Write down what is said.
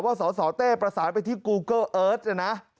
ว่าสอเต้ประสานไปที่กูเกิ้ลเอิร์ทนะ